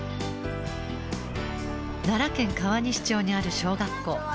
奈良県川西町にある小学校。